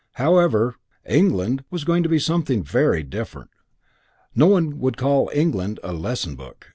However, "England" was going to be something very different. No one would call "England" a lesson book.